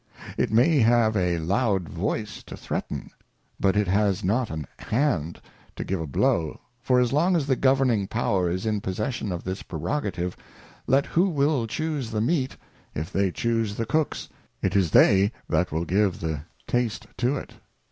It may have a loud voice to threaten, but it has not an hand to give a blow ; for as long as the Governing Power is in possession of this Prerogative, let who will chuse the Meat, if they chuse the Cooks, it is they that will give the tast to it.